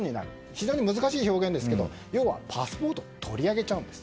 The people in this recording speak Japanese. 非常に難しい表現ですけど要はパスポートを取り上げちゃうんです。